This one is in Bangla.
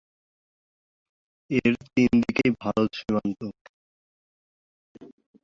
এর তিন দিকেই ভারত সীমান্ত।